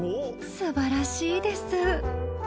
すばらしいです。